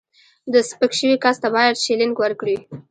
د سپک شوي کس ته باید شیلینګ ورکړي.